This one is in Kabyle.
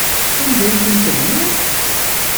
Anda ay tent-tebniḍ?